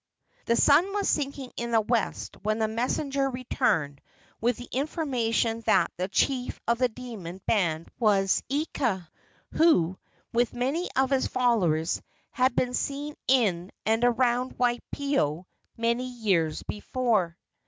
The sun was sinking in the west when the messenger returned, with the information that the chief of the demon band was Ika, who, with many of his followers, had been seen in and around Waipio many years before.